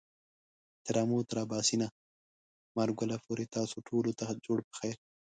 له آمو تر آباسينه ، مارګله پورې تاسو ټولو ته جوړ پخير !